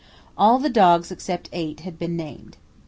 All the dogs except eight had been named.